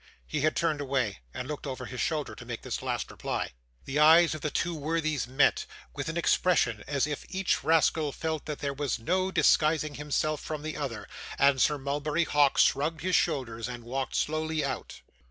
He had turned away, and looked over his shoulder to make this last reply. The eyes of the two worthies met, with an expression as if each rascal felt that there was no disguising himself from the other; and Sir Mulberry Hawk shrugged his shoulders and walked slowly out.